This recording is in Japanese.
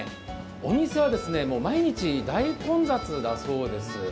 お店は毎日大混雑だそうです。